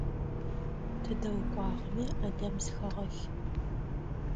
Тыдэ укӀуагъэми Ӏэдэб зыхэгъэлъ.